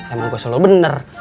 emang gue selalu bener